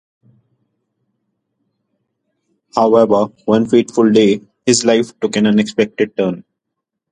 However, one fateful day, his life took an unexpected turn.